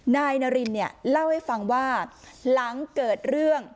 นายนารินเนี่ยเล่าให้ฟังว่าหลังเกิดเรื่อง